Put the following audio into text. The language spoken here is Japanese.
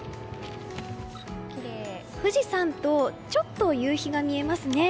富士山とちょっと夕日が見えますね。